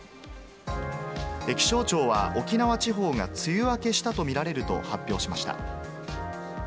気象庁は、沖縄地方が梅雨明けしたと見られると発表しました。